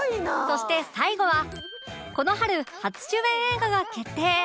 そして最後はこの春初主演映画が決定